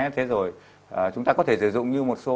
thế rồi chúng ta có thể sử dụng như một số